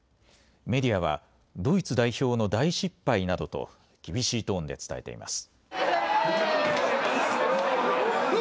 メディアはドイツ代表の大失敗などと厳しいトーンで伝えています。